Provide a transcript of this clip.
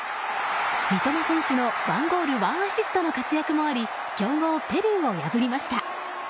三笘選手の１ゴール１アシストの活躍もあり強豪ペルーを破りました。